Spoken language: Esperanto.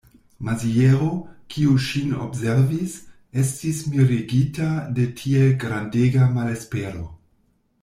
Maziero, kiu ŝin observis, estis miregita de tiel grandega malespero.